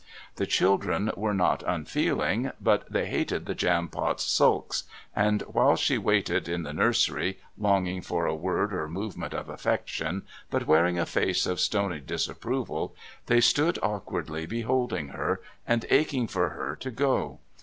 The children were not unfeeling, but they hated the Jampot's sulks, and while she waited in the nursery, longing for a word or movement of affection, but wearing a face of stony disapproval, they stood awkwardly beholding her, and aching for her to go.